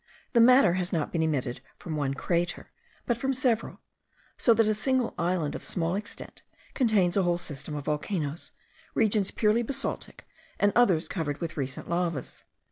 The matter has not been emitted from one crater, but from several; so that a single island of small extent contains a whole system of volcanoes, regions purely basaltic, and others covered with recent lavas.